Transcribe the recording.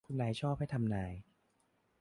คุณนายชอบให้ทำนาย